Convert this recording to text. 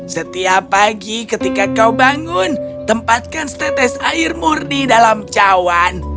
setiap pagi ketika kau bangun tempatkan setetes air murni dalam cawan